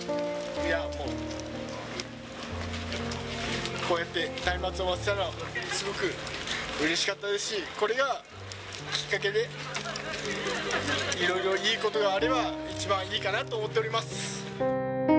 いや、もう、こうやってたいまつを回せたのがすごくうれしかったですし、これがきっかけで、いろいろいいことがあれば、一番いいかなと思っております。